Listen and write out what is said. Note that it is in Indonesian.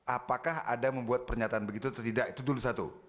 apakah ada membuat pernyataan begitu atau tidak itu dulu satu